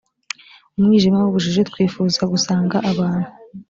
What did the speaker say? umwijima w’ubujiji twifuza gusanga abantu